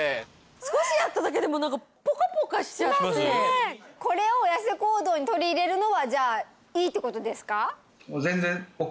少しやっただけでも何かポカポカしちゃってこれをヤセ行動に取り入れるのはじゃあいいってことですか？